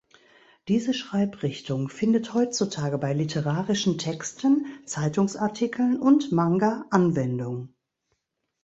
Diese Schreibrichtung findet heutzutage bei literarischen Texten, Zeitungsartikeln und Manga Anwendung.